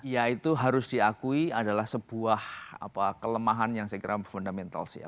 ya itu harus diakui adalah sebuah kelemahan yang saya kira fundamental sih ya